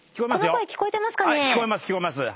聞こえます聞こえます。